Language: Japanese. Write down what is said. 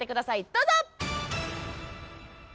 どうぞ！